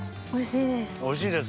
おいしいです。